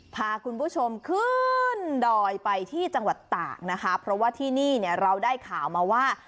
พาคุณผู้ชมขึ้นดอยไปที่จังหวัดตากนะคะเพราะว่าที่นี่เนี่ยเราได้ข่าวมาว่า